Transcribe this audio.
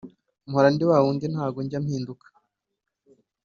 Mpora ndi wa wundi ntago njya mpinduka